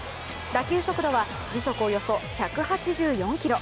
打球速度は時速およそ１８４キロ。